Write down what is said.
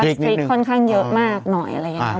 สตรีกค่อนข้างเยอะมากหน่อยเลยนะครับ